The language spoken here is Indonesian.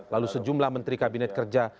lalu sejumlah menteri kabinet kerja